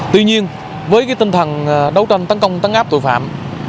tuy nhiên với tinh thần đấu tranh tấn công tấn áp tội phạm